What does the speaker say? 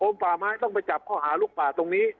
ป่าไม้ต้องไปจับข้อหาลุกป่าตรงนี้